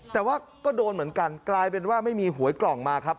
แต่ว่าก็โดนเหมือนกันกลายเป็นว่าไม่มีหวยกล่องมาครับ